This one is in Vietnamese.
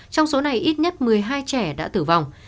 trong số này ít nhất một mươi hai trẻ đã tử vong